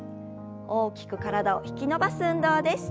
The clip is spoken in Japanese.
大きく体を引き伸ばす運動です。